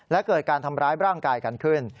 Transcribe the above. และเกิดการทำร้ายร่างกายกันขึ้น